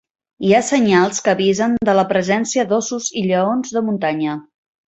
Hi ha senyals que avisen de la presència d"ossos i lleons de muntanya.